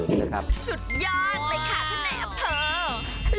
สุดยอดเลยค่ะท่านในอำเภอ